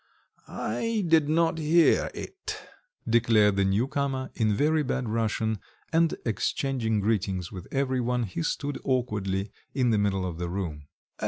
"I did not hear it," declared the new comer, in very bad Russian, and exchanging greetings with every one, he stood awkwardly in the middle of the room.